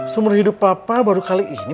seumur hidup papa baru kali ini